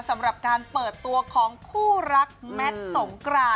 สำหรับการเปิดตัวของคู่รักแมทสงกราน